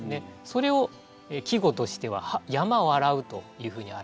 それを季語としては「山笑う」というふうに表すんです。